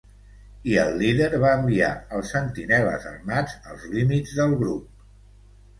I el líder va enviar els sentinelles armats als límits del grup.